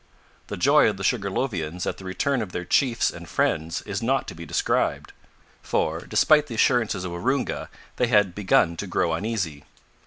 The joy of the Sugarlovians at the return of their chiefs and friends is not to be described, for, despite the assurances of Waroonga, they had begun to grow uneasy.